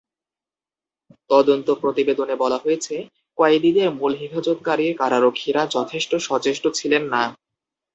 তদন্ত প্রতিবেদনে বলা হয়েছে, কয়েদিদের মূল হেফাজতকারী কারারক্ষীরা যথেষ্ট সচেষ্ট ছিলেন না।